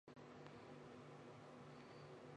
长穗花为野牡丹科长穗花属下的一个种。